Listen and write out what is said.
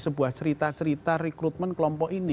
sebuah cerita cerita rekrutmen kelompok ini